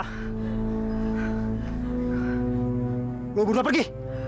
kalian berdua pergi